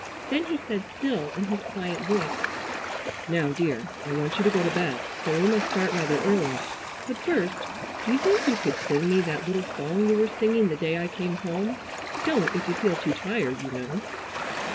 Then he said, still in his quiet voice: "Now dear, I want you to go to bed, for we must start rather early, but first do you think you could sing me that little song you were singing the day I came home? Don't if you feel too tired, you know."